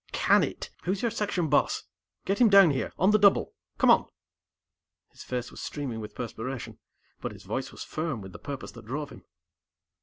"Can it! Who's your Section boss? Get him down here. On the double. Come on!" His face was streaming with perspiration but his voice was firm with the purpose that drove him.